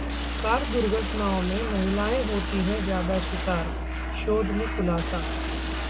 car दुर्घटनाओं में महिलाएं होती हैं ज्यादा शिकार, शोध में खुलासा